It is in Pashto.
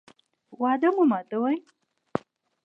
وعده مه ماتوئ